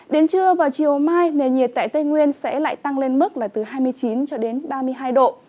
đến trưa vào chiều mai nền nhiệt tại tây nguyên sẽ lại tăng lên mức là từ hai mươi chín ba mươi hai độ